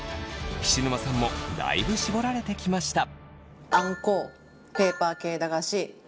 菱沼さんもだいぶ絞られてきました。